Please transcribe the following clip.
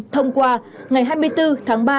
thông qua ngày hai mươi bốn tháng ba